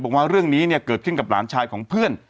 บอกว่าเรื่องนี้เนี่ยเกิดขึ้นกับหลานชายของเพื่อน